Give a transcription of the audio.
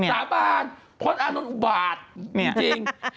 สาบานพลอานนท์อุบาตจริง